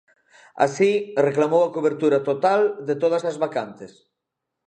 Así, reclamou a cobertura "total" de todas as vacantes.